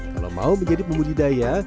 kalau mau menjadi pembudidaya